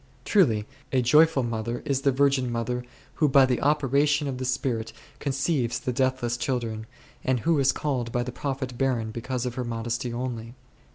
Truly a joyful mother is the virgin mother who by the operation of the Spirit conceives the deathless children, and who is called by the .Prophet barren because of her modesty only.